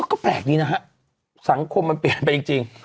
ก็แปลกดีนะฮะสังคมมันเปลี่ยนไปจริง